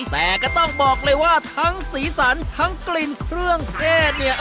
แต่ก็ต้องบอกเลยว่าทั้งสีสันทั้งกลิ่นเครื่องเทศเนี่ย